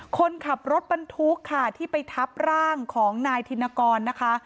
คนขับรถบรรทุกค่ะที่ไปทับร่างของนายธินกรนะคะ